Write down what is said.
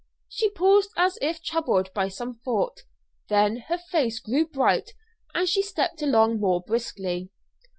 She paused as if troubled by some thought; then her face grew bright, and she stepped along more briskly.